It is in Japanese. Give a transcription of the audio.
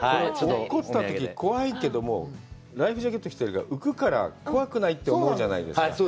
怒ったとき怖いけども、ライフジャケットを着ているから、浮くから怖くないって思うじゃないですか。